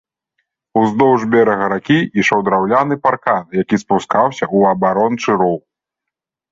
Уздоўж берага ракі ішоў драўляны паркан, які спускаўся ў абарончы роў.